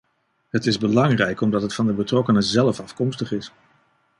Het is belangrijk omdat het van de betrokkenen zelf afkomstig is.